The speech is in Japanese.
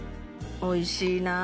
おいしいなあ